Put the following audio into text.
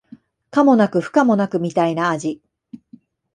可もなく不可もなくみたいな味